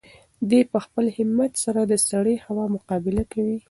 دی په خپل همت سره د سړې هوا مقابله کوي.